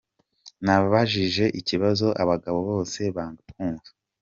Nabajije ikibazo abagabo bose banga kumva.